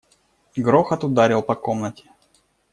Грохот ударил по комнате.